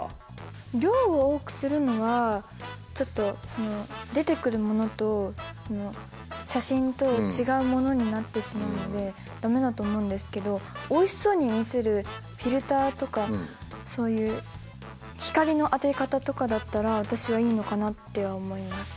量を多くするのはちょっとその出てくるものと写真と違うものになってしまうので駄目だと思うんですけどおいしそうに見せるフィルターとかそういう光の当て方とかだったら私はいいのかなって思います。